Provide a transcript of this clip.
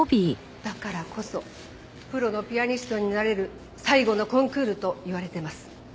だからこそプロのピアニストになれる最後のコンクールといわれてます。